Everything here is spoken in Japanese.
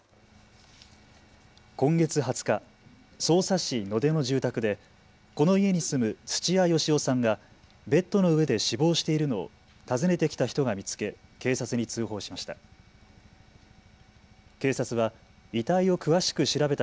今月２０日、匝瑳市野手の住宅でこの家に住む土屋好夫さんがベッドの上で死亡しているのを訪ねてきた人が見つけ警察に通報しました。